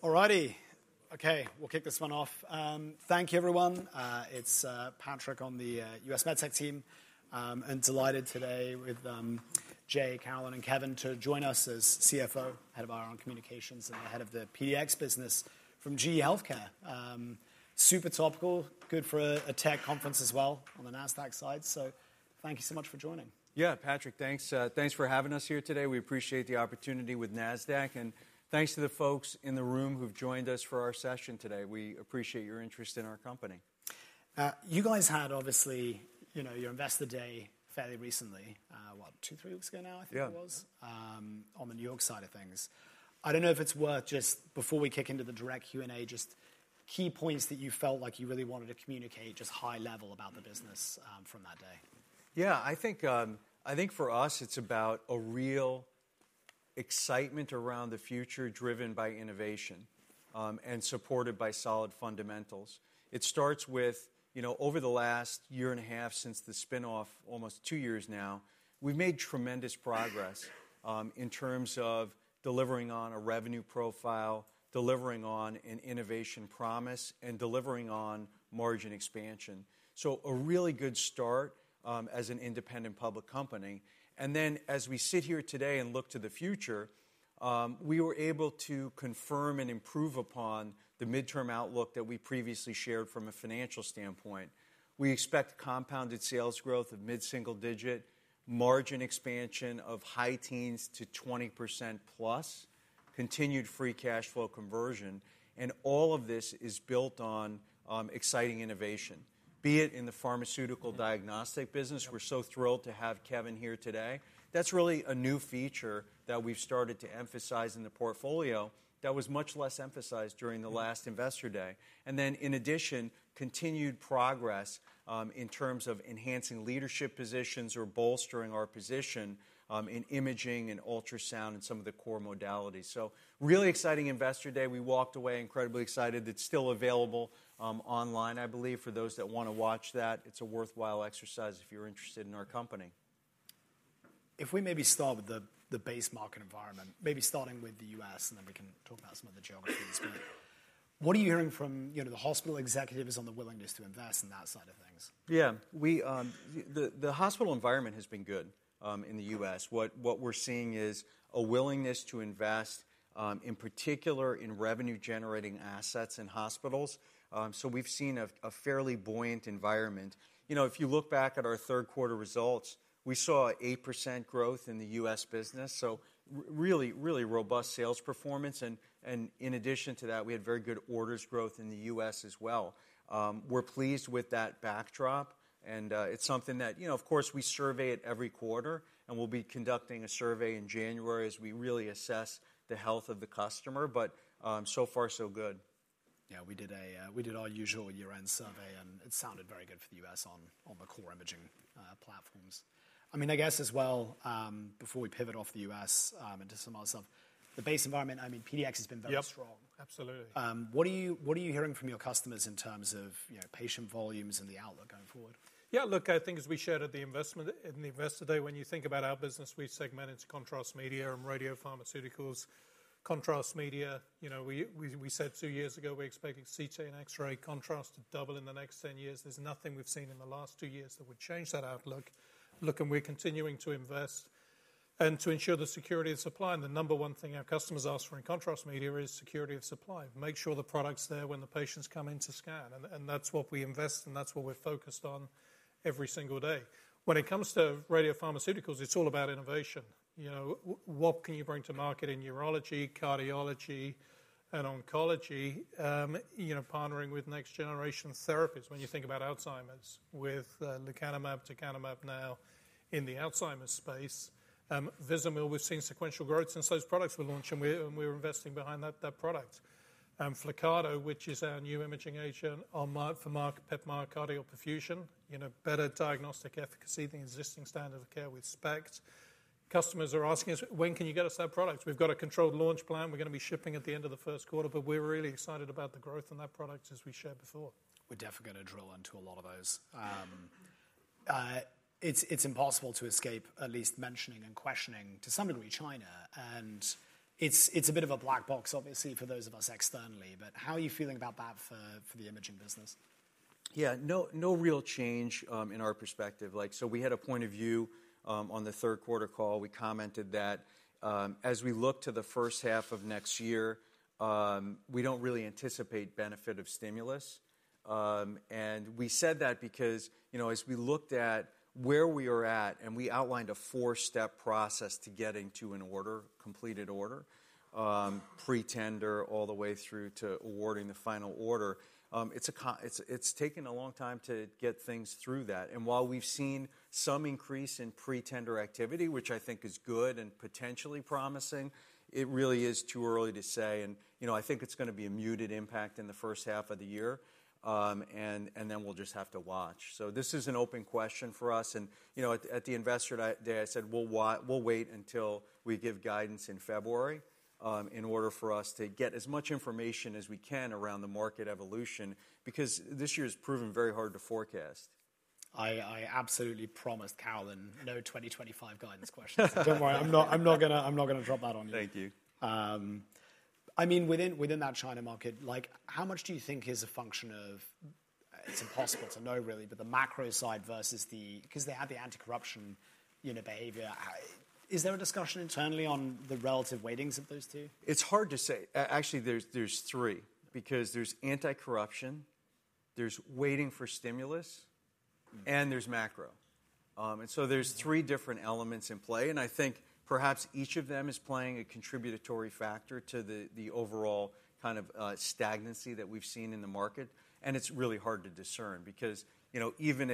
Alrighty. Okay, we'll kick this one off. Thank you, everyone. It's Patrick on the U.S. MedTech team, and delighted today with Jay, Carolynne, and Kevin to join us as CFO, Head of Investor Relations, and the head of the PDX business from GE HealthCare. Super topical, good for a tech conference as well on the Nasdaq side, so thank you so much for joining. Yeah, Patrick, thanks. Thanks for having us here today. We appreciate the opportunity with Nasdaq, and thanks to the folks in the room who've joined us for our session today. We appreciate your interest in our company. You guys had, obviously, you know, your Investor Day fairly recently, what, two, three weeks ago now, I think it was, on the New York side of things. I don't know if it's worth just, before we kick into the direct Q&A, just key points that you felt like you really wanted to communicate just high level about the business from that day? Yeah, I think for us, it's about a real excitement around the future driven by innovation and supported by solid fundamentals. It starts with, you know, over the last year and a half since the spinoff, almost two years now, we've made tremendous progress in terms of delivering on a revenue profile, delivering on an innovation promise, and delivering on margin expansion, so a really good start as an independent public company, and then as we sit here today and look to the future, we were able to confirm and improve upon the midterm outlook that we previously shared from a financial standpoint. We expect compounded sales growth of mid-single digit, margin expansion of high teens to 20% plus, continued free cash flow conversion, and all of this is built on exciting innovation, be it in the pharmaceutical diagnostic business. We're so thrilled to have Kevin here today. That's really a new feature that we've started to emphasize in the portfolio that was much less emphasized during the last Investor Day, and then in addition, continued progress in terms of enhancing leadership positions or bolstering our position in imaging and ultrasound and some of the core modalities, so really exciting Investor Day. We walked away incredibly excited. It's still available online, I believe, for those that want to watch that. It's a worthwhile exercise if you're interested in our company. If we maybe start with the base market environment, maybe starting with the U.S., and then we can talk about some of the geographies. What are you hearing from, you know, the hospital executives on the willingness to invest in that side of things? Yeah, the hospital environment has been good in the U.S. What we're seeing is a willingness to invest, in particular, in revenue-generating assets in hospitals, so we've seen a fairly buoyant environment. You know, if you look back at our third quarter results, we saw an 8% growth in the U.S. business, so really, really robust sales performance, and in addition to that, we had very good orders growth in the U.S. as well. We're pleased with that backdrop, and it's something that, you know, of course, we survey it every quarter, and we'll be conducting a survey in January as we really assess the health of the customer, but so far, so good. Yeah, we did our usual year-end survey, and it sounded very good for the U.S. on the core imaging platforms. I mean, I guess as well, before we pivot off the U.S. into some other stuff, the base environment, I mean, PDX has been very strong. Yep, absolutely. What are you hearing from your customers in terms of, you know, patient volumes and the outlook going forward? Yeah, look, I think as we shared at the Investor Day, when you think about our business, we segment into contrast media and radiopharmaceuticals. Contrast media, you know, we said two years ago we're expecting CT and X-ray contrast to double in the next 10 years. There's nothing we've seen in the last two years that would change that outlook. Look, and we're continuing to invest and to ensure the security of supply. And the number one thing our customers ask for in contrast media is security of supply. Make sure the product's there when the patients come in to scan. And that's what we invest, and that's what we're focused on every single day. When it comes to radiopharmaceuticals, it's all about innovation. You know, what can you bring to market in urology, cardiology, and oncology, you know, partnering with next-generation therapies. When you think about Alzheimer's with lecanemab, donanemab now in the Alzheimer's space. Vizamyl, we've seen sequential growth since those products were launched, and we're investing behind that product. Flyrcado, which is our new imaging agent for myocardial PET perfusion, you know, better diagnostic efficacy, the existing standard of care with SPECT. Customers are asking us, when can you get us that product? We've got a controlled launch plan. We're going to be shipping at the end of the first quarter, but we're really excited about the growth in that product, as we shared before. We're definitely going to drill into a lot of those. It's impossible to escape at least mentioning and questioning, to some degree, China. And it's a bit of a black box, obviously, for those of us externally. But how are you feeling about that for the imaging business? Yeah, no real change in our perspective. Like, so we had a point of view on the third quarter call. We commented that as we look to the first half of next year, we don't really anticipate benefit of stimulus. And we said that because, you know, as we looked at where we are at, and we outlined a four-step process to getting to an order, completed order, pre-tender all the way through to awarding the final order, it's taken a long time to get things through that. And while we've seen some increase in pre-tender activity, which I think is good and potentially promising, it really is too early to say. And, you know, I think it's going to be a muted impact in the first half of the year, and then we'll just have to watch. So this is an open question for us. You know, at the Investor Day, I said, we'll wait until we give guidance in February in order for us to get as much information as we can around the market evolution, because this year has proven very hard to forecast. I absolutely promised Carolynne no 2025 guidance questions. Don't worry. I'm not going to drop that on you. Thank you. I mean, within that China market, like, how much do you think is a function of, it's impossible to know really, but the macro side versus the, because they have the anti-corruption, you know, behavior. Is there a discussion internally on the relative weightings of those two? It's hard to say. Actually, there's three, because there's anti-corruption, there's waiting for stimulus, and there's macro. And so there's three different elements in play. And I think perhaps each of them is playing a contributory factor to the overall kind of stagnancy that we've seen in the market. And it's really hard to discern, because, you know, even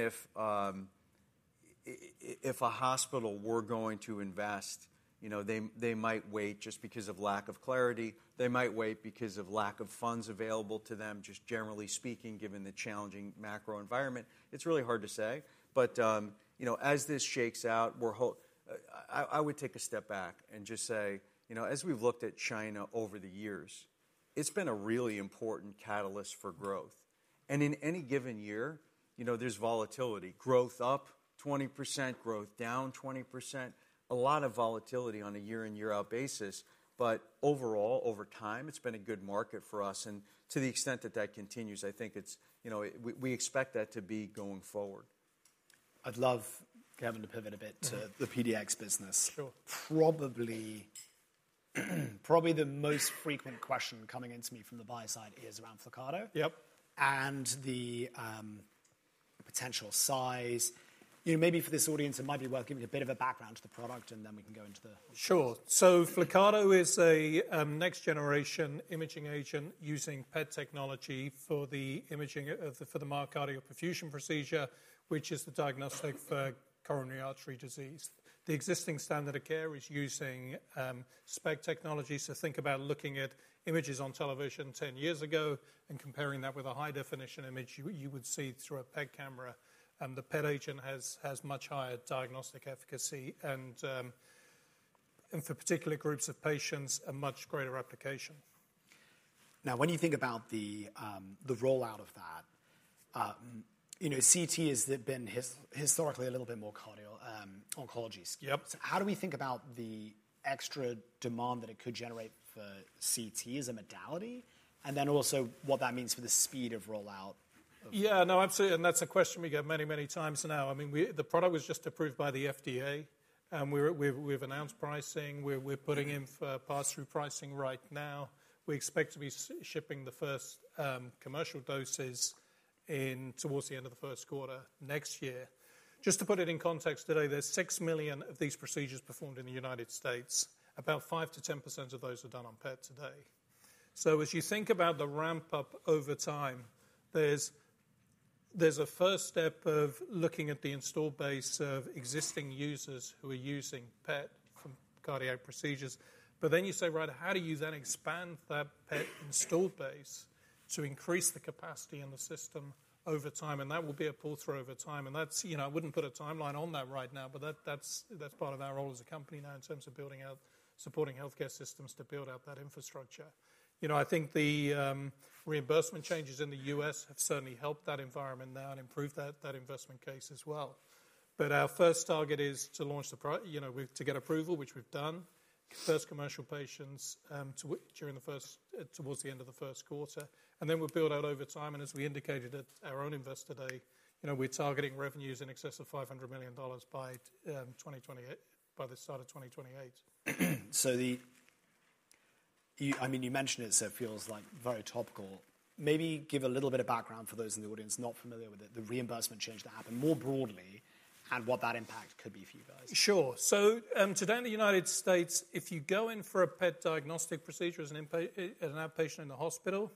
if a hospital were going to invest, you know, they might wait just because of lack of clarity. They might wait because of lack of funds available to them, just generally speaking, given the challenging macro environment. It's really hard to say. But, you know, as this shakes out, I would take a step back and just say, you know, as we've looked at China over the years, it's been a really important catalyst for growth. And in any given year, you know, there's volatility. Growth up 20%, growth down 20%. A lot of volatility on a year-in, year-out basis. But overall, over time, it's been a good market for us. And to the extent that that continues, I think it's, you know, we expect that to be going forward. I'd love Kevin to pivot a bit to the PDX business. Sure. Probably the most frequent question coming into me from the buyer side is around Flyrcado. Yep. The potential size. You know, maybe for this audience, it might be worth giving a bit of a background to the product, and then we can go into the. Sure. So Flyrcado is a next-generation imaging agent using PET technology for the imaging for the myocardial perfusion procedure, which is the diagnostic for coronary artery disease. The existing standard of care is using SPECT technology. So think about looking at images on television 10 years ago and comparing that with a high-definition image you would see through a PET camera. The PET agent has much higher diagnostic efficacy and, for particular groups of patients, a much greater application. Now, when you think about the rollout of that, you know, CT has been historically a little bit more cardio oncology. Yep. So how do we think about the extra demand that it could generate for CT as a modality? And then also what that means for the speed of rollout? Yeah, no, absolutely. And that's a question we get many, many times now. I mean, the product was just approved by the FDA, and we've announced pricing. We're putting in for pass-through pricing right now. We expect to be shipping the first commercial doses towards the end of the first quarter next year. Just to put it in context today, there's 6 million of these procedures performed in the United States. About 5%-10% of those are done on PET today. So as you think about the ramp-up over time, there's a first step of looking at the installed base of existing users who are using PET for cardiac procedures. But then you say, right, how do you then expand that PET installed base to increase the capacity in the system over time? And that will be a pull-through over time. That's, you know, I wouldn't put a timeline on that right now, but that's part of our role as a company now in terms of building out supporting healthcare systems to build out that infrastructure. You know, I think the reimbursement changes in the U.S. have certainly helped that environment now and improved that investment case as well. Our first target is to launch the, you know, to get approval, which we've done, first commercial patients during the first, towards the end of the first quarter. Then we'll build out over time. As we indicated at our own Investor Day, you know, we're targeting revenues in excess of $500 million by 2028, by the start of 2028. So, I mean, you mentioned it, so it feels like very topical. Maybe give a little bit of background for those in the audience not familiar with it, the reimbursement change that happened more broadly and what that impact could be for you guys. Sure. So today in the United States, if you go in for a PET diagnostic procedure as an outpatient in the hospital,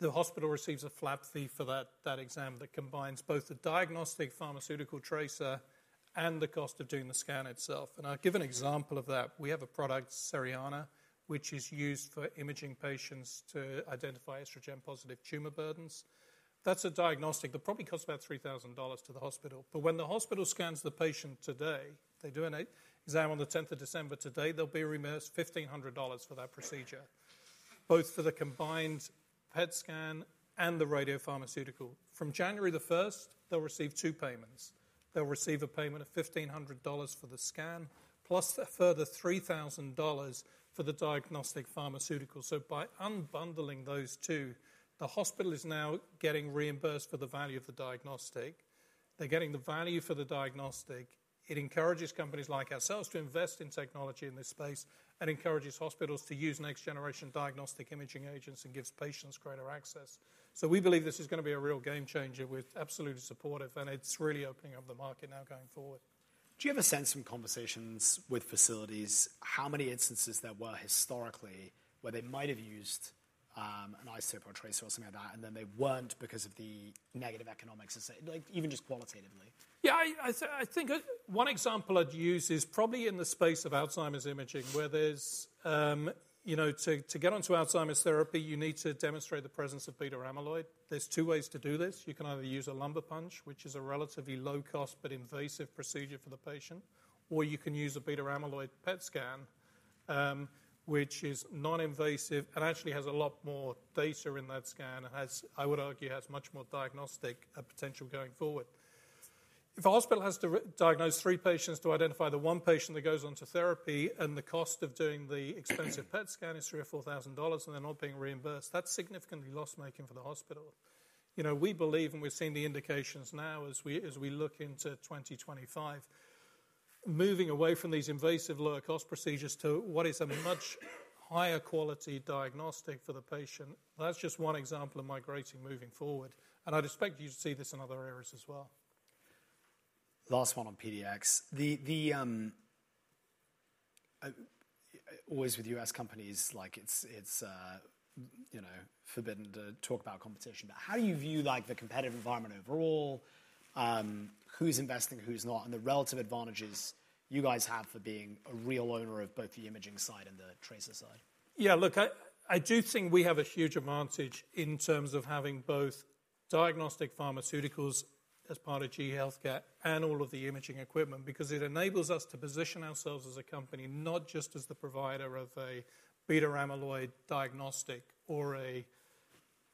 the hospital receives a flat fee for that exam that combines both the diagnostic pharmaceutical tracer and the cost of doing the scan itself. And I'll give an example of that. We have a product, Cerianna, which is used for imaging patients to identify estrogen-positive tumor burdens. That's a diagnostic that probably costs about $3,000 to the hospital. But when the hospital scans the patient today, they do an exam on the 10th of December today, they'll be reimbursed $1,500 for that procedure, both for the combined PET scan and the radiopharmaceutical. From January the 1st, they'll receive two payments. They'll receive a payment of $1,500 for the scan, plus a further $3,000 for the diagnostic pharmaceutical. So by unbundling those two, the hospital is now getting reimbursed for the value of the diagnostic. They're getting the value for the diagnostic. It encourages companies like ourselves to invest in technology in this space and encourages hospitals to use next-generation diagnostic imaging agents and gives patients greater access. So we believe this is going to be a real game changer. We're absolutely supportive, and it's really opening up the market now going forward. Do you ever sense from conversations with facilities how many instances there were historically where they might have used an isotope or tracer or something like that, and then they weren't because of the negative economics? Like, even just qualitatively. Yeah, I think one example I'd use is probably in the space of Alzheimer's imaging, where there's, you know, to get onto Alzheimer's therapy, you need to demonstrate the presence of beta-amyloid. There's two ways to do this. You can either use a lumbar puncture, which is a relatively low-cost but invasive procedure for the patient, or you can use a beta-amyloid PET scan, which is non-invasive and actually has a lot more data in that scan and has, I would argue, has much more diagnostic potential going forward. If a hospital has to diagnose three patients to identify the one patient that goes on to therapy and the cost of doing the expensive PET scan is $3,000 or $4,000 and they're not being reimbursed, that's significantly loss-making for the hospital. You know, we believe, and we've seen the indications now as we look into 2025, moving away from these invasive lower-cost procedures to what is a much higher quality diagnostic for the patient. That's just one example of migrating, moving forward. And I'd expect you to see this in other areas as well. Last one on PDX. Always with U.S. companies, like, it's, you know, forbidden to talk about competition. But how do you view, like, the competitive environment overall, who's investing, who's not, and the relative advantages you guys have for being a real owner of both the imaging side and the tracer side? Yeah, look, I do think we have a huge advantage in terms of having both diagnostic pharmaceuticals as part of GE HealthCare and all of the imaging equipment, because it enables us to position ourselves as a company, not just as the provider of a beta-amyloid diagnostic or a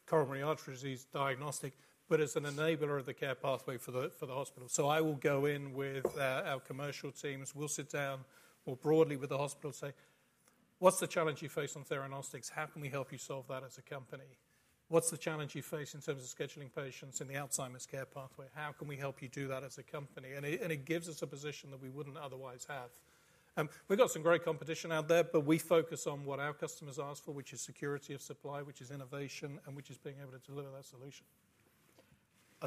coronary artery disease diagnostic, but as an enabler of the care pathway for the hospital. So I will go in with our commercial teams. We'll sit down more broadly with the hospital and say, what's the challenge you face on theranostics? How can we help you solve that as a company? What's the challenge you face in terms of scheduling patients in the Alzheimer's care pathway? How can we help you do that as a company? And it gives us a position that we wouldn't otherwise have. We've got some great competition out there, but we focus on what our customers ask for, which is security of supply, which is innovation, and which is being able to deliver that solution.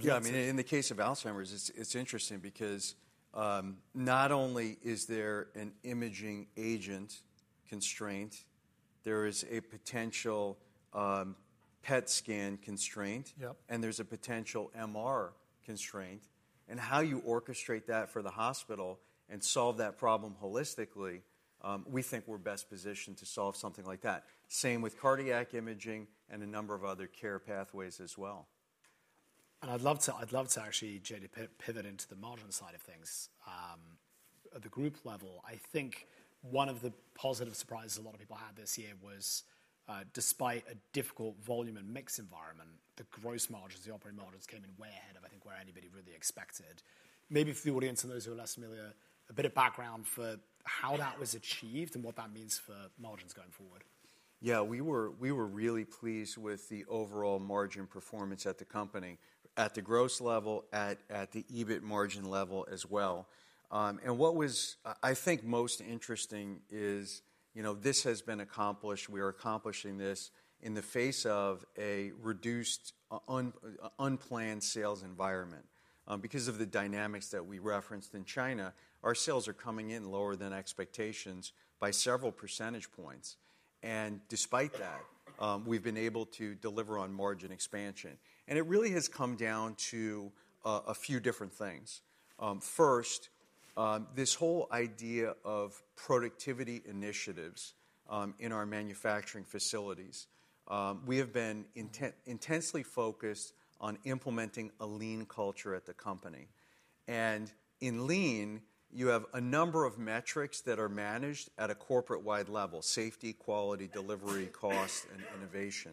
Yeah, I mean, in the case of Alzheimer's, it's interesting because not only is there an imaging agent constraint, there is a potential PET scan constraint. Yep. There's a potential MR constraint. How you orchestrate that for the hospital and solve that problem holistically, we think we're best positioned to solve something like that. Same with cardiac imaging and a number of other care pathways as well. And I'd love to actually, Jay, to pivot into the margin side of things. At the group level, I think one of the positive surprises a lot of people had this year was, despite a difficult volume and mix environment, the gross margins, the operating margins came in way ahead of, I think, where anybody really expected. Maybe for the audience and those who are less familiar, a bit of background for how that was achieved and what that means for margins going forward. Yeah, we were really pleased with the overall margin performance at the company, at the gross level, at the EBIT margin level as well. What was, I think, most interesting is, you know, this has been accomplished. We are accomplishing this in the face of a reduced, unplanned sales environment. Because of the dynamics that we referenced in China, our sales are coming in lower than expectations by several percentage points. Despite that, we've been able to deliver on margin expansion. It really has come down to a few different things. First, this whole idea of productivity initiatives in our manufacturing facilities, we have been intensely focused on implementing a lean culture at the company. In lean, you have a number of metrics that are managed at a corporate-wide level: safety, quality, delivery, cost, and innovation.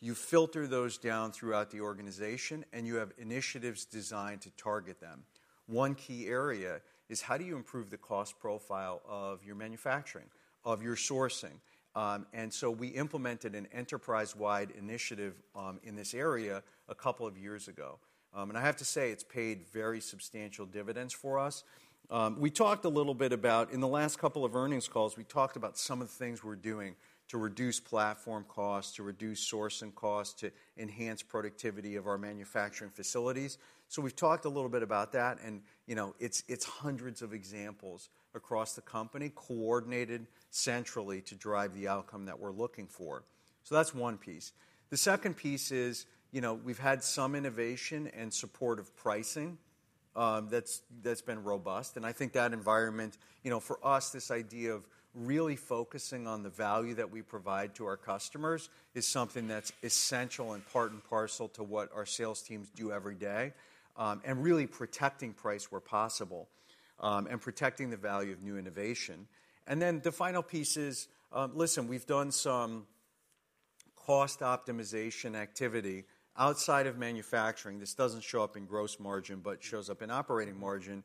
You filter those down throughout the organization, and you have initiatives designed to target them. One key area is how do you improve the cost profile of your manufacturing, of your sourcing? We implemented an enterprise-wide initiative in this area a couple of years ago. I have to say it's paid very substantial dividends for us. We talked a little bit about, in the last couple of earnings calls, we talked about some of the things we're doing to reduce platform costs, to reduce sourcing costs, to enhance productivity of our manufacturing facilities. We've talked a little bit about that. You know, it's hundreds of examples across the company, coordinated centrally to drive the outcome that we're looking for. That's one piece. The second piece is, you know, we've had some innovation and supportive pricing that's been robust. And I think that environment, you know, for us, this idea of really focusing on the value that we provide to our customers is something that's essential and part and parcel to what our sales teams do every day and really protecting price where possible and protecting the value of new innovation. And then the final piece is, listen, we've done some cost optimization activity outside of manufacturing. This doesn't show up in gross margin, but shows up in operating margin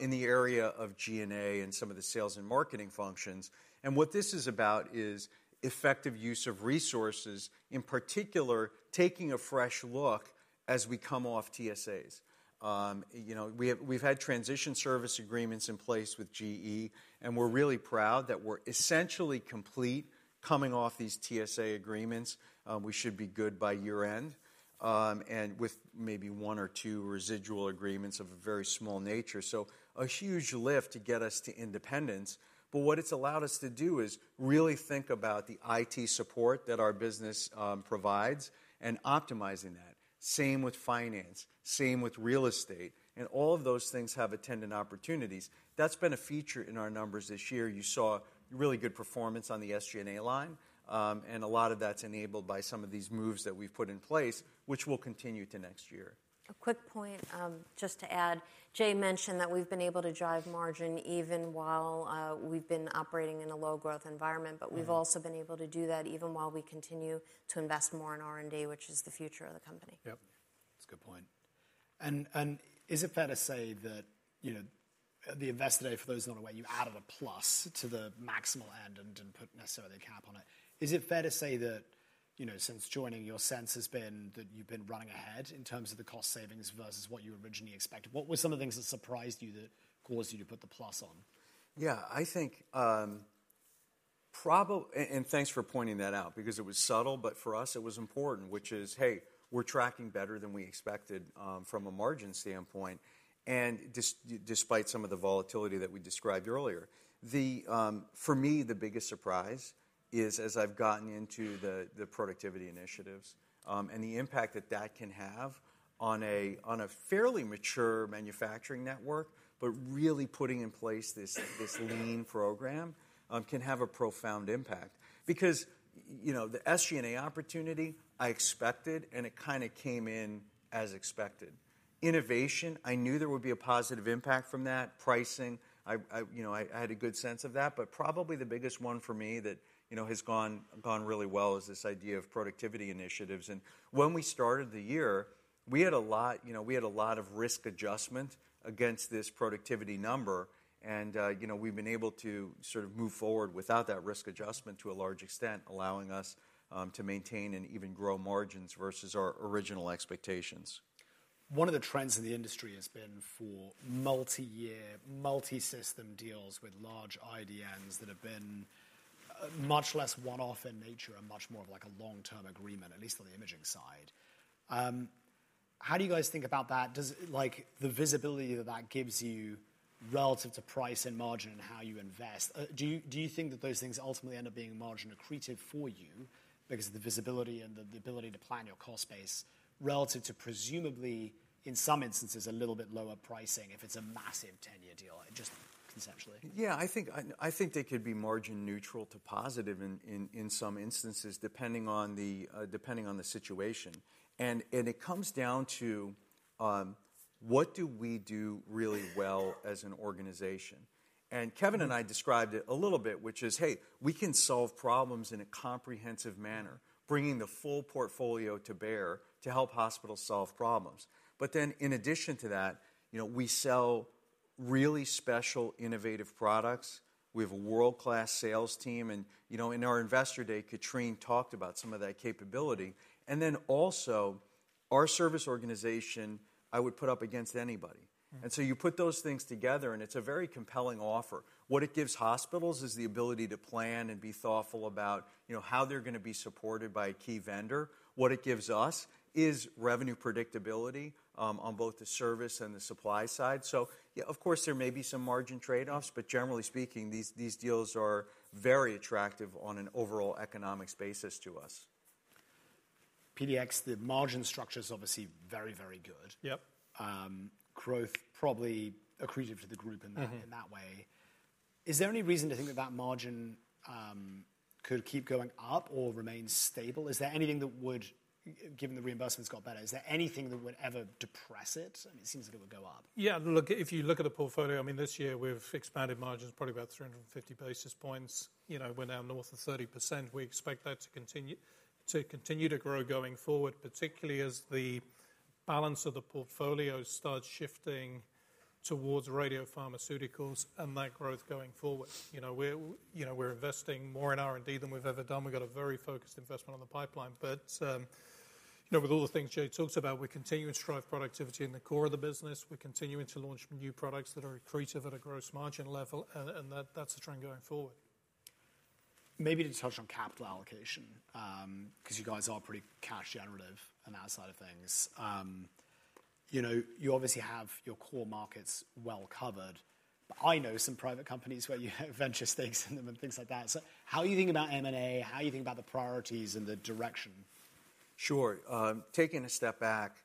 in the area of G&A and some of the sales and marketing functions. And what this is about is effective use of resources, in particular, taking a fresh look as we come off TSAs. You know, we've had transition service agreements in place with GE, and we're really proud that we're essentially complete coming off these TSA agreements. We should be good by year-end and with maybe one or two residual agreements of a very small nature, so a huge lift to get us to independence, but what it's allowed us to do is really think about the IT support that our business provides and optimizing that. Same with finance, same with real estate, and all of those things have attendant opportunities. That's been a feature in our numbers this year. You saw really good performance on the SG&A line, and a lot of that's enabled by some of these moves that we've put in place, which will continue to next year. A quick point just to add, Jay mentioned that we've been able to drive margin even while we've been operating in a low-growth environment, but we've also been able to do that even while we continue to invest more in R&D, which is the future of the company. Yep. That's a good point. And is it fair to say that, you know, the Investor Day, for those who are not aware, you added a plus to the midpoint and put a cap on it? Is it fair to say that, you know, since joining, your sense has been that you've been running ahead in terms of the cost savings versus what you originally expected? What were some of the things that surprised you that caused you to put the plus on? Yeah, I think probably, and thanks for pointing that out, because it was subtle, but for us, it was important, which is, hey, we're tracking better than we expected from a margin standpoint, and despite some of the volatility that we described earlier. For me, the biggest surprise is as I've gotten into the productivity initiatives and the impact that that can have on a fairly mature manufacturing network, but really putting in place this lean program can have a profound impact. Because, you know, the SG&A opportunity, I expected, and it kind of came in as expected. Innovation, I knew there would be a positive impact from that. Pricing, I, you know, I had a good sense of that. But probably the biggest one for me that, you know, has gone really well is this idea of productivity initiatives. And when we started the year, we had a lot, you know, we had a lot of risk adjustment against this productivity number. You know, we've been able to sort of move forward without that risk adjustment to a large extent, allowing us to maintain and even grow margins versus our original expectations. One of the trends in the industry has been for multi-year, multi-system deals with large IDNs that have been much less one-off in nature and much more of like a long-term agreement, at least on the imaging side. How do you guys think about that? Does, like, the visibility that that gives you relative to price and margin and how you invest, do you think that those things ultimately end up being margin accretive for you because of the visibility and the ability to plan your cost base relative to presumably, in some instances, a little bit lower pricing if it's a massive 10-year deal, just conceptually? Yeah, I think they could be margin neutral to positive in some instances, depending on the situation, and it comes down to what do we do really well as an organization. And Kevin and I described it a little bit, which is, hey, we can solve problems in a comprehensive manner, bringing the full portfolio to bear to help hospitals solve problems, but then in addition to that, you know, we sell really special innovative products. We have a world-class sales team, and, you know, in our investor day, Catherine talked about some of that capability, and then also, our service organization, I would put up against anybody, and so you put those things together, and it's a very compelling offer. What it gives hospitals is the ability to plan and be thoughtful about, you know, how they're going to be supported by a key vendor. What it gives us is revenue predictability on both the service and the supply side. So, yeah, of course, there may be some margin trade-offs, but generally speaking, these deals are very attractive on an overall economics basis to us. PDX, the margin structure is obviously very, very good. Yep. Growth probably accretive to the group in that way. Is there any reason to think that that margin could keep going up or remain stable? Is there anything that would, given the reimbursements got better, is there anything that would ever depress it? I mean, it seems like it would go up. Yeah, look, if you look at the portfolio, I mean, this year we've expanded margins probably about 350 basis points. You know, we're now north of 30%. We expect that to continue to grow going forward, particularly as the balance of the portfolio starts shifting towards radiopharmaceuticals and that growth going forward. You know, we're investing more in R&D than we've ever done. We've got a very focused investment on the pipeline. But, you know, with all the things Jay talks about, we're continuing to drive productivity in the core of the business. We're continuing to launch new products that are accretive at a gross margin level. And that's the trend going forward. Maybe to touch on capital allocation, because you guys are pretty cash generative and that side of things. You know, you obviously have your core markets well covered. I know some private companies where you have venture stakes in them and things like that. So how do you think about M&A? How do you think about the priorities and the direction? Sure. Taking a step back,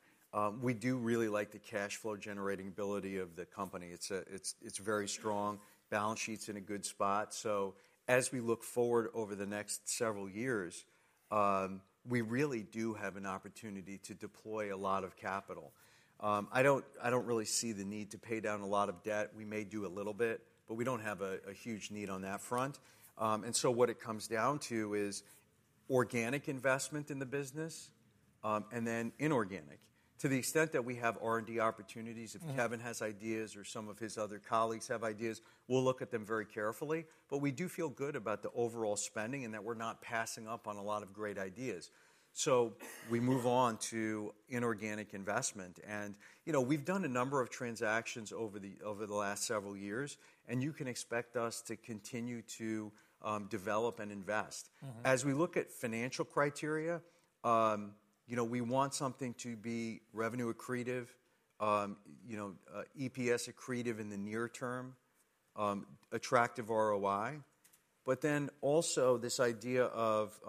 we do really like the cash flow generating ability of the company. It's very strong. Balance sheet's in a good spot. So as we look forward over the next several years, we really do have an opportunity to deploy a lot of capital. I don't really see the need to pay down a lot of debt. We may do a little bit, but we don't have a huge need on that front. And so what it comes down to is organic investment in the business and then inorganic. To the extent that we have R&D opportunities, if Kevin has ideas or some of his other colleagues have ideas, we'll look at them very carefully. But we do feel good about the overall spending and that we're not passing up on a lot of great ideas. So we move on to inorganic investment. And, you know, we've done a number of transactions over the last several years, and you can expect us to continue to develop and invest. As we look at financial criteria, you know, we want something to be revenue accretive, you know, EPS accretive in the near term, attractive ROI. But then also this idea of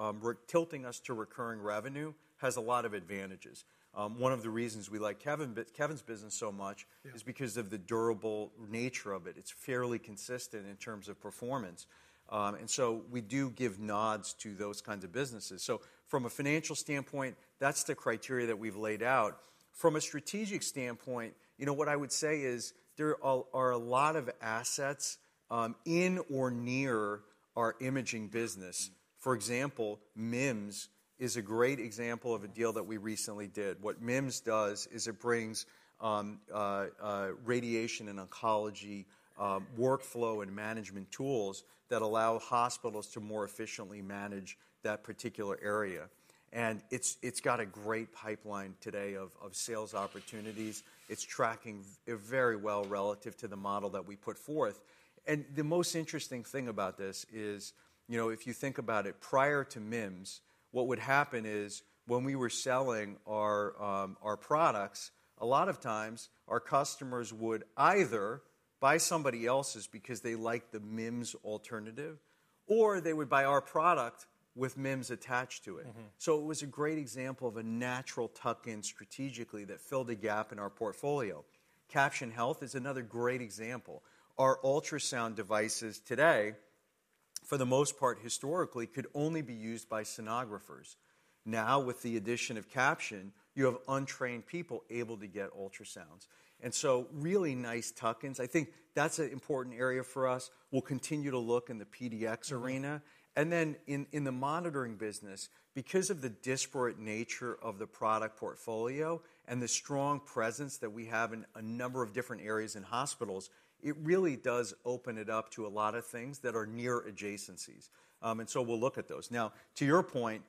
tilting us to recurring revenue has a lot of advantages. One of the reasons we like Kevin's business so much is because of the durable nature of it. It's fairly consistent in terms of performance. And so we do give nods to those kinds of businesses. So from a financial standpoint, that's the criteria that we've laid out. From a strategic standpoint, you know, what I would say is there are a lot of assets in or near our imaging business. For example, MIM is a great example of a deal that we recently did. What MIM does is it brings radiation and oncology workflow and management tools that allow hospitals to more efficiently manage that particular area. And it's got a great pipeline today of sales opportunities. It's tracking very well relative to the model that we put forth. And the most interesting thing about this is, you know, if you think about it, prior to MIM, what would happen is when we were selling our products, a lot of times our customers would either buy somebody else's because they liked the MIM alternative, or they would buy our product with MIM attached to it. So it was a great example of a natural tuck-in strategically that filled a gap in our portfolio. Caption Health is another great example. Our ultrasound devices today, for the most part historically, could only be used by sonographers. Now with the addition of Caption, you have untrained people able to get ultrasounds. And so really nice tuck-ins. I think that's an important area for us. We'll continue to look in the PDX arena. And then in the monitoring business, because of the disparate nature of the product portfolio and the strong presence that we have in a number of different areas in hospitals, it really does open it up to a lot of things that are near adjacencies. And so we'll look at those. Now, to your point,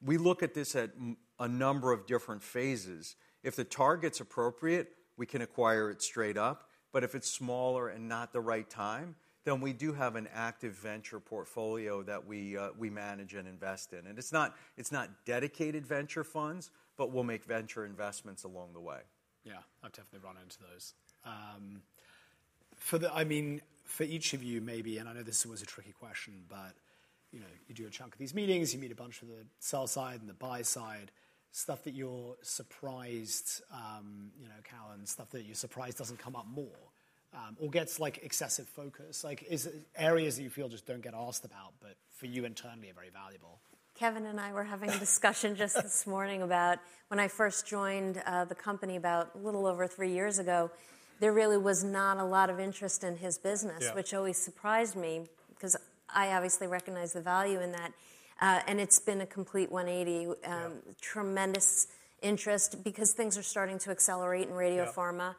we look at this at a number of different phases. If the target's appropriate, we can acquire it straight up. But if it's smaller and not the right time, then we do have an active venture portfolio that we manage and invest in. It's not dedicated venture funds, but we'll make venture investments along the way. Yeah, I've definitely run into those. I mean, for each of you maybe, and I know this was a tricky question, but you do a chunk of these meetings, you meet a bunch of the sell side and the buy side, stuff that you're surprised, you know, Carolyn, stuff that you're surprised doesn't come up more or gets like excessive focus. Like, areas that you feel just don't get asked about, but for you internally are very valuable. Kevin and I were having a discussion just this morning about when I first joined the company about a little over three years ago, there really was not a lot of interest in his business, which always surprised me because I obviously recognize the value in that, and it's been a complete 180, tremendous interest because things are starting to accelerate in radio pharma,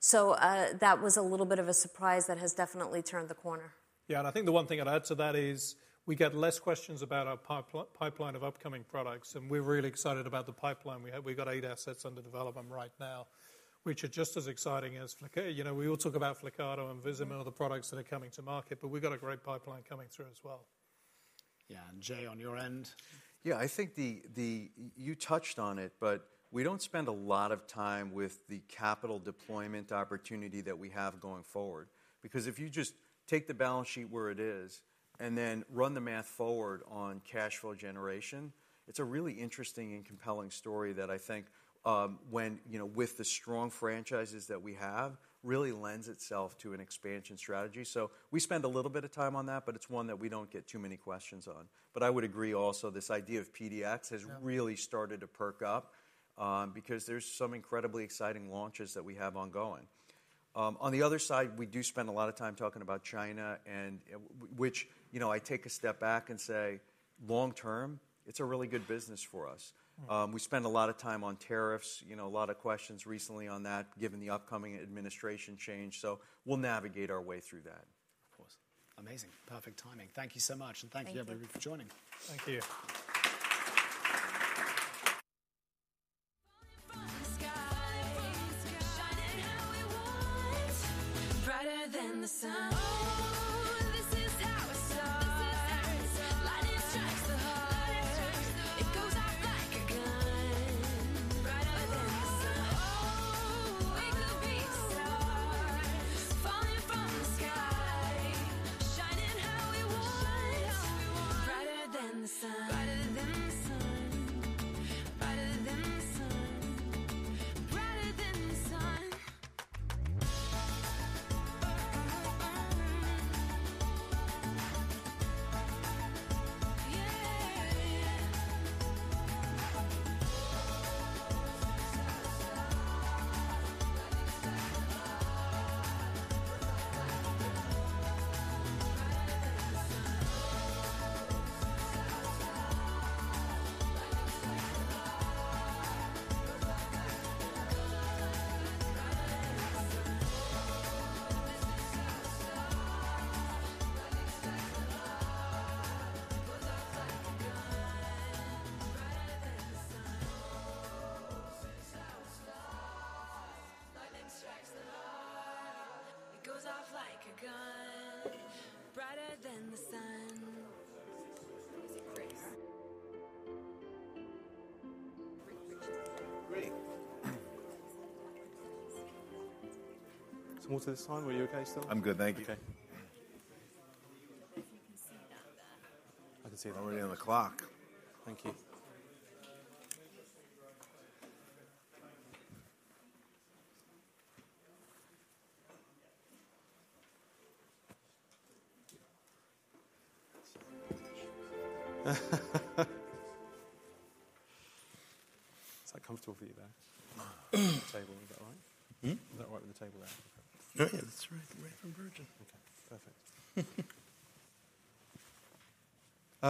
so that was a little bit of a surprise that has definitely turned the corner. Yeah, and I think the one thing I'd add to that is we get less questions about our pipeline of upcoming products. And we're really excited about the pipeline. We've got eight assets under development right now, which are just as exciting as, you know, we all talk about Flyrcado and Vizamyl, the products that are coming to market, but we've got a great pipeline coming through as well. Yeah, and Jay, on your end? Yeah, I think you touched on it, but we don't spend a lot of time with the capital deployment opportunity that we have going forward. Because if you just take the balance sheet where it is and then run the math forward on cash flow generation, it's a really interesting and compelling story that I think, you know, with the strong franchises that we have, really lends itself to an expansion strategy. So we spend a little bit of time on that, but it's one that we don't get too many questions on. But I would agree also this idea of PDX has really started to perk up because there's some incredibly exciting launches that we have ongoing. On the other side, we do spend a lot of time talking about China, which, you know, I take a step back and say, long term, it's a really good business for us.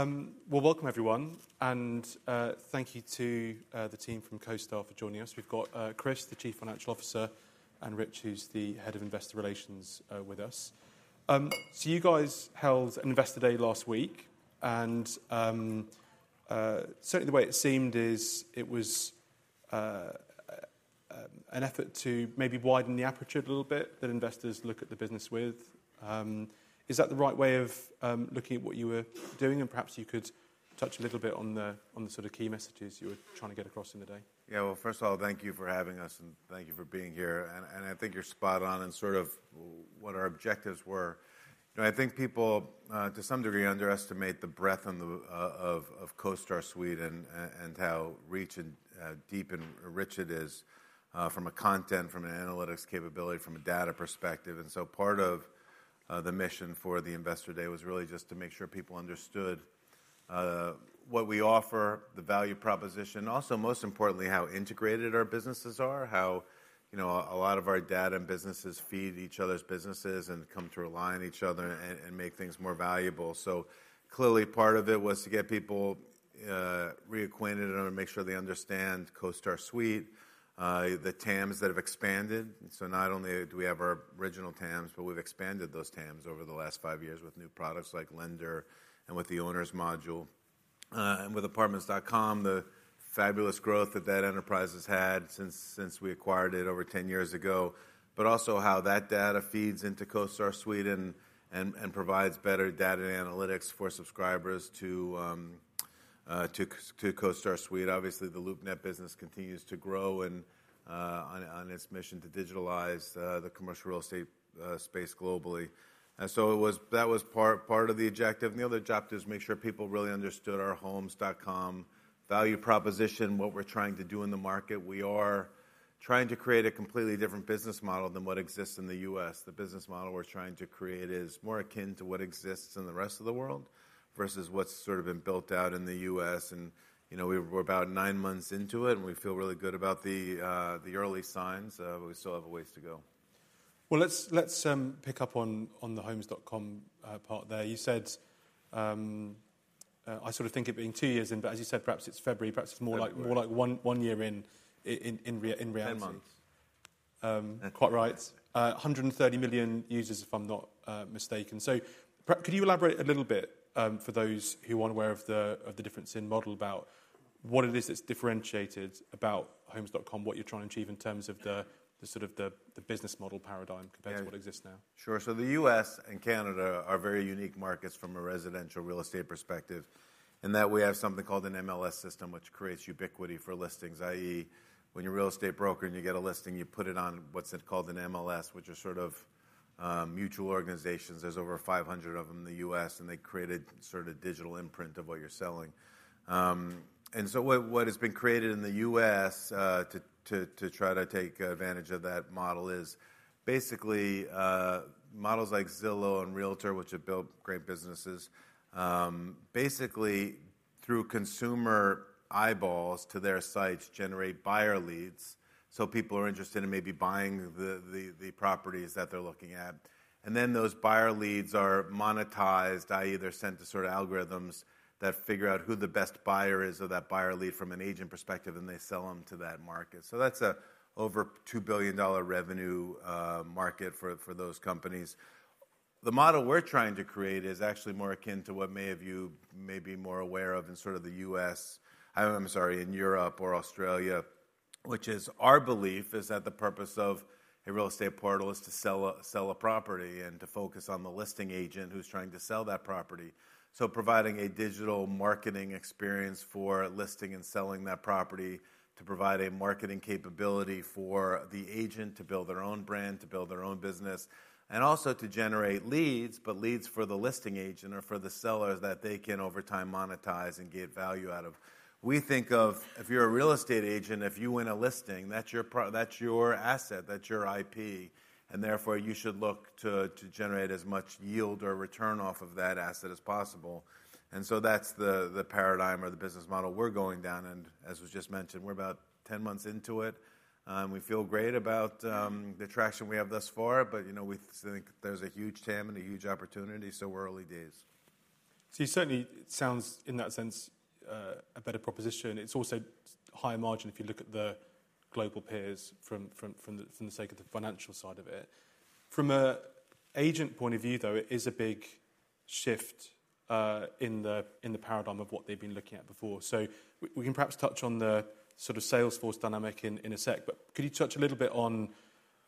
perfect. Well, welcome, everyone. And thank you to the team from CoStar for joining us. We've got Chris, the Chief Financial Officer, and Rich, who's the Head of Investor Relations with us. So you guys held an Investor Day last week. And certainly the way it seemed is it was an effort to maybe widen the aperture a little bit that investors look at the business with. Is that the right way of looking at what you were doing? And perhaps you could touch a little bit on the sort of key messages you were trying to get across in the day. Yeah, well, first of all, thank you for having us and thank you for being here. And I think you're spot on in sort of what our objectives were. You know, I think people to some degree underestimate the breadth of CoStar Suite and how rich and deep and rich it is from a content, from an analytics capability, from a data perspective. And so part of the mission for the Investor Day was really just to make sure people understood what we offer, the value proposition. Also, most importantly, how integrated our businesses are, how, you know, a lot of our data and businesses feed each other's businesses and come to align each other and make things more valuable. So clearly part of it was to get people reacquainted and make sure they understand CoStar Suite, the TAMs that have expanded. So not only do we have our original TAMs, but we've expanded those TAMs over the last five years with new products like Lender and with the Owners Module. And with Apartments.com, the fabulous growth that that enterprise has had since we acquired it over 10 years ago, but also how that data feeds into CoStar Suite and provides better data analytics for subscribers to CoStar Suite. Obviously, the LoopNet business continues to grow on its mission to digitalize the commercial real estate space globally. And so that was part of the objective. And the other job was to make sure people really understood our Homes.com value proposition, what we're trying to do in the market. We are trying to create a completely different business model than what exists in the U.S. The business model we're trying to create is more akin to what exists in the rest of the world versus what's sort of been built out in the U.S. And, you know, we're about nine months into it and we feel really good about the early signs, but we still have a ways to go. Let's pick up on the Homes.com part there. You said, I sort of think it being two years in, but as you said, perhaps it's February, perhaps it's more like one year in reality. Ten months. Quite right. 130 million users, if I'm not mistaken. So could you elaborate a little bit for those who aren't aware of the difference in model about what it is that's differentiated about Homes.com, what you're trying to achieve in terms of the sort of the business model paradigm compared to what exists now? Sure. So the U.S. and Canada are very unique markets from a residential real estate perspective. In that, we have something called an MLS system, which creates ubiquity for listings, i.e., when you're a real estate broker and you get a listing, you put it on what's called an MLS, which are sort of mutual organizations. There's over 500 of them in the U.S., and they create a sort of digital imprint of what you're selling. And so what has been created in the U.S. to try to take advantage of that model is basically models like Zillow and Realtor, which have built great businesses, basically through consumer eyeballs to their sites, generate buyer leads so people are interested in maybe buying the properties that they're looking at. Then those buyer leads are monetized, i.e., they're sent to sort of algorithms that figure out who the best buyer is of that buyer lead from an agent perspective, and they sell them to that market. So that's an over $2 billion revenue market for those companies. The model we're trying to create is actually more akin to what many of you may be more aware of in sort of the U.S., I'm sorry, in Europe or Australia, which is our belief is that the purpose of a real estate portal is to sell a property and to focus on the listing agent who's trying to sell that property. So providing a digital marketing experience for listing and selling that property to provide a marketing capability for the agent to build their own brand, to build their own business, and also to generate leads, but leads for the listing agent or for the sellers that they can over time monetize and get value out of. We think of, if you're a real estate agent, if you win a listing, that's your asset, that's your IP, and therefore you should look to generate as much yield or return off of that asset as possible. And so that's the paradigm or the business model we're going down. And as was just mentioned, we're about 10 months into it. We feel great about the traction we have thus far, but, you know, we think there's a huge TAM and a huge opportunity, so we're early days. So you certainly sound in that sense a better proposition. It's also high margin if you look at the global peers from the sake of the financial side of it. From an agent point of view, though, it is a big shift in the paradigm of what they've been looking at before. So we can perhaps touch on the sort of sales force dynamic in a sec, but could you touch a little bit on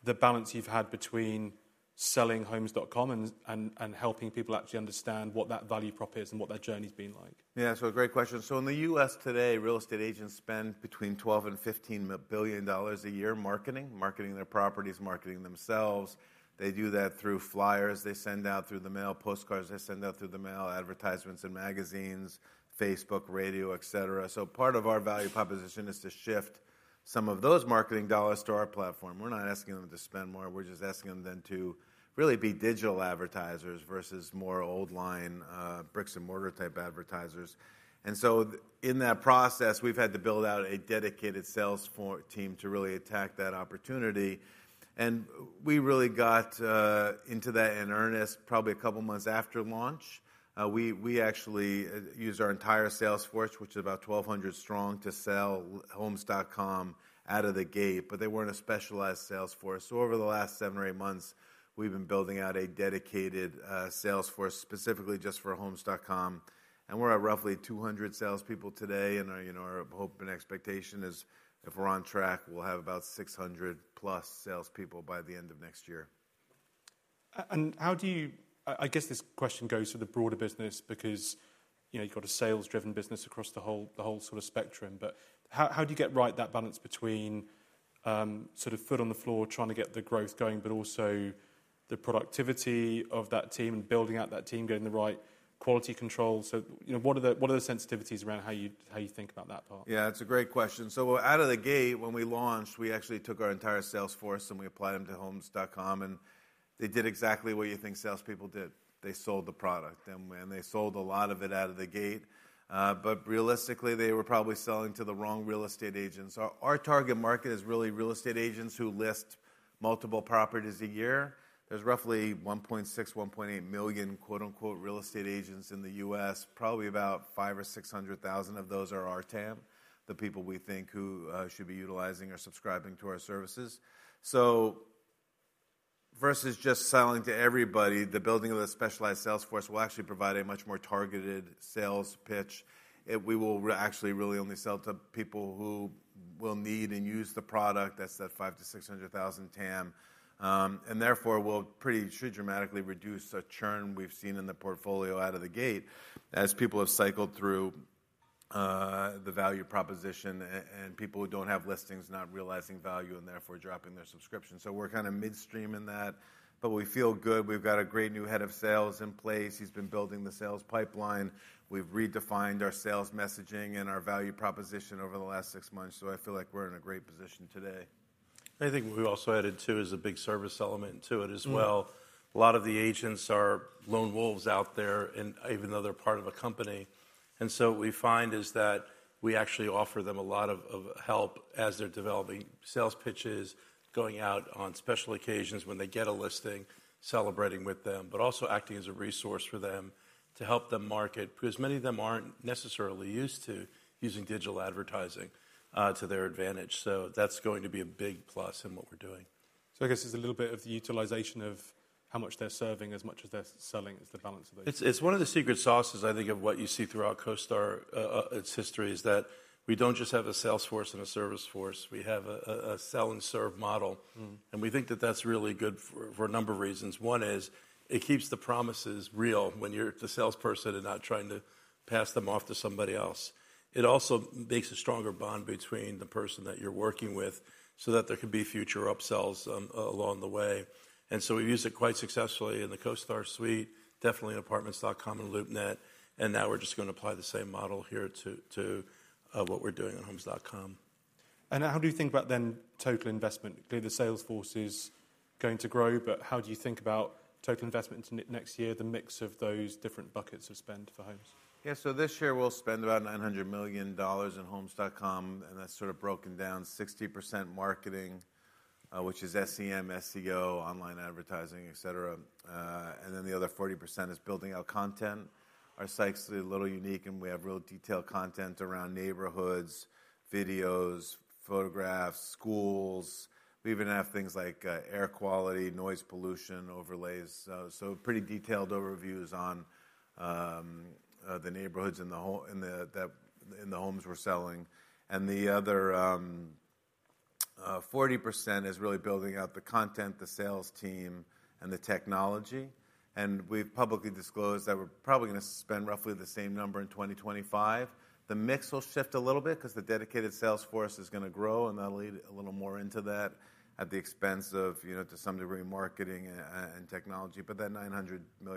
the balance you've had between selling Homes.com and helping people actually understand what that value prop is and what that journey's been like? Yeah, so a great question. So in the U.S. today, real estate agents spend between $12 and $15 billion a year marketing, marketing their properties, marketing themselves. They do that through flyers they send out through the mail, postcards they send out through the mail, advertisements and magazines, Facebook, radio, et cetera. So part of our value proposition is to shift some of those marketing dollars to our platform. We're not asking them to spend more. We're just asking them then to really be digital advertisers versus more old line bricks and mortar type advertisers. And so in that process, we've had to build out a dedicated sales team to really attack that opportunity. And we really got into that in earnest probably a couple of months after launch. We actually used our entire sales force, which is about 1,200 strong, to sell Homes.com out of the gate, but they weren't a specialized sales force. Over the last seven or eight months, we've been building out a dedicated sales force specifically just for Homes.com. We're at roughly 200 salespeople today. Our hope and expectation is if we're on track, we'll have about 600 plus salespeople by the end of next year. How do you, I guess this question goes to the broader business because you've got a sales-driven business across the whole sort of spectrum, but how do you get right that balance between sort of foot on the floor trying to get the growth going, but also the productivity of that team and building out that team, getting the right quality control? What are the sensitivities around how you think about that part? Yeah, it's a great question, so out of the gate, when we launched, we actually took our entire sales force and we applied them to Homes.com, and they did exactly what you think salespeople did. They sold the product, and they sold a lot of it out of the gate, but realistically, they were probably selling to the wrong real estate agents. Our target market is really real estate agents who list multiple properties a year. There's roughly 1.6, 1.8 million "real estate agents" in the U.S. Probably about five or 600,000 of those are our TAM, the people we think who should be utilizing or subscribing to our services, so versus just selling to everybody, the building of a specialized sales force will actually provide a much more targeted sales pitch. We will actually really only sell to people who will need and use the product. That's that 5-600,000 TAM, and therefore, we'll pretty dramatically reduce a churn we've seen in the portfolio out of the gate as people have cycled through the value proposition and people who don't have listings not realizing value and therefore dropping their subscription, so we're kind of midstream in that, but we feel good. We've got a great new head of sales in place. He's been building the sales pipeline. We've redefined our sales messaging and our value proposition over the last six months, so I feel like we're in a great position today. I think what we also added too is a big service element to it as well. A lot of the agents are lone wolves out there, even though they're part of a company. And so what we find is that we actually offer them a lot of help as they're developing sales pitches, going out on special occasions when they get a listing, celebrating with them, but also acting as a resource for them to help them market because many of them aren't necessarily used to using digital advertising to their advantage. So that's going to be a big plus in what we're doing. So I guess it's a little bit of the utilization of how much they're serving as much as they're selling is the balance of it. It's one of the secret sauces, I think, of what you see throughout CoStar, its history, is that we don't just have a sales force and a service force. We have a sell and serve model. And we think that that's really good for a number of reasons. One is it keeps the promises real when you're the salesperson and not trying to pass them off to somebody else. It also makes a stronger bond between the person that you're working with so that there could be future upsells along the way. And so we've used it quite successfully in the CoStar Suite, definitely in Apartments.com and LoopNet. And now we're just going to apply the same model here to what we're doing on Homes.com. And how do you think about the total investment? Clearly, the sales force is going to grow, but how do you think about total investment next year, the mix of those different buckets of spend for homes? Yeah, so this year we'll spend about $900 million in Homes.com, and that's sort of broken down 60% marketing, which is SEM, SEO, online advertising, et cetera, and then the other 40% is building out content. Our site's a little unique, and we have real detailed content around neighborhoods, videos, photographs, schools. We even have things like air quality, noise pollution overlays, so pretty detailed overviews on the neighborhoods in the homes we're selling. And the other 40% is really building out the content, the sales team, and the technology, and we've publicly disclosed that we're probably going to spend roughly the same number in 2025. The mix will shift a little bit because the dedicated salesforce is going to grow, and that'll lead a little more into that at the expense of, to some degree, marketing and technology, but that $900 million.